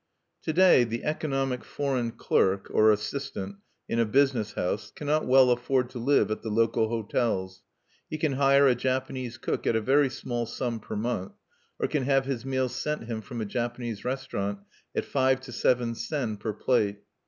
To day the economic foreign clerk or assistant in a business house cannot well afford to live at the local hotels. He can hire a Japanese cook at a very small sum per month, or can have his meals sent him from a Japanese restaurant at five to seven sen per plate.